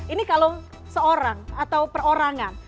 ini kalau seorang atau perorangan